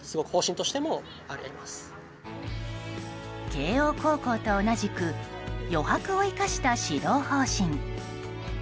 慶応高校と同じく余白を生かした指導方針。